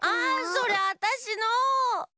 それあたしの！